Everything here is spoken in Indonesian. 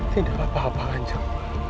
tidak apa apa kanjar